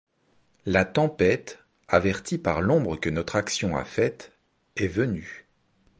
La tempête, avertie par l’ombre que notre action a faite, est venue.